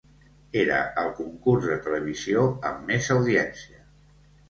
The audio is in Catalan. Era el concurs de televisió amb més audiència.